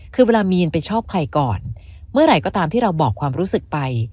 คือเวลามีนไปชอบใครก่อนเมื่อไหร่ก็ตามที่เราบอกความรู้สึกไป